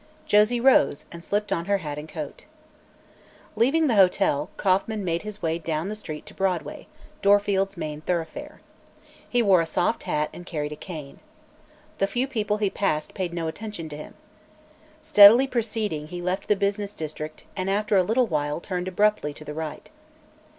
Josie rose and slipped on her hat and coat. Leaving the hotel, Kauffman made his way down the street to Broadway, Dorfield's main thoroughfare. He wore a soft hat and carried a cane. The few people he passed paid no attention to him. Steadily proceeding, he left the business district and after a while turned abruptly to the right.